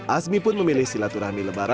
asmi pun memilih silaturahmi lebaran